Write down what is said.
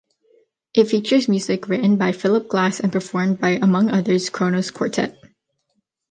It features music written by Philip Glass and performed by, among others, Kronos Quartet.